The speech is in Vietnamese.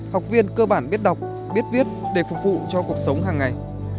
học viên cơ bản biết đọc biết viết để phục vụ cho cuộc sống hàng ngày